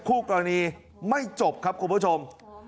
คู่กรณีไม่จบครับคุณผู้ชม